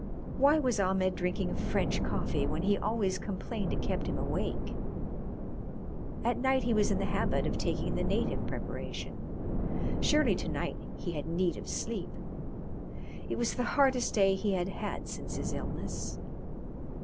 Why was Ahmed drinking French coffee when he always complained it kept him awake? At night he was in the habit of taking the native preparation. Surely to night he had need of sleep. It was the hardest day he had had since his illness.